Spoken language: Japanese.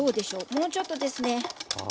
もうちょっとですね。